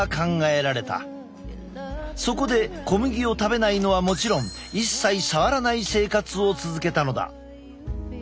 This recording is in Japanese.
そこで小麦を食べないのはもちろん一切触らない生活を続けたのだ。